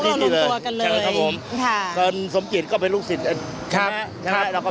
เตือนสมเกตก็ไปลูกศิษย์